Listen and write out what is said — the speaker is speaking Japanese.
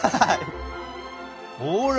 ほら。